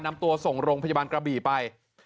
นำตัวส่งโรงพยาบาลกระบี่ไป